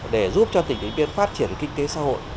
để giúp cho tỉnh điện biên phát triển kinh tế xã hội